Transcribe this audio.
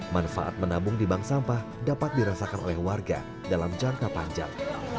manfaat menabung di bank sampah dapat dirasakan oleh warga dalam jangka panjang